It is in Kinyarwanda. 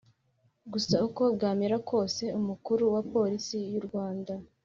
gusa uko bwamera kose umukuru wa police y’u rwanda